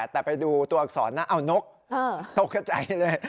แต่ไปดูตัวอักษรนะเอานกตกกระจายเลย